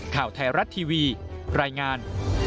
ข่าวไทยรัฐทีวีรายงาน